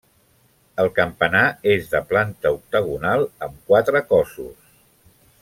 El campanar és de planta octagonal amb quatre cossos.